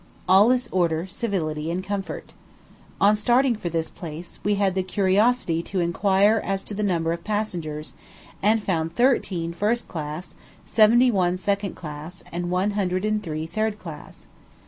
All is order, civility, and comfort. On starting for this place, we had the curiosity to inquire as to the number of passengers, and found thirteen first class, seventy one second class, and one hundred and three third class.